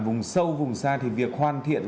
vùng sâu vùng xa thì việc hoàn thiện